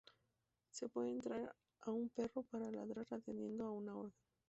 Se puede entrenar a un perro para ladrar atendiendo a una orden.